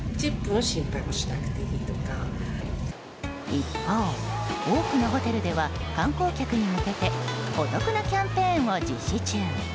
一方、多くのホテルでは観光客に向けてお得なキャンペーンを実施中。